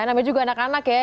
namanya juga anak anak ya